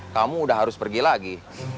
kamu udah harus pergi lagi